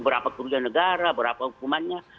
berapa kerugian negara berapa hukumannya